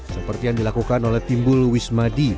seperti yang dilakukan oleh timbul wismadi